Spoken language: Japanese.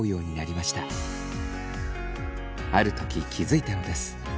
ある時気付いたのです。